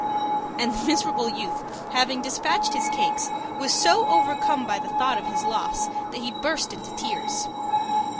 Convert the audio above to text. And the miserable youth, having despatched his cakes, was so overcome by the thought of his loss that he burst into tears.